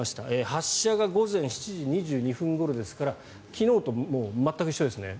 発射が午前７時２２分ごろですから昨日と全く一緒ですね。